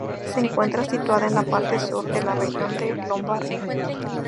Se encuentra situada en la parte sur de la región de Lombardía.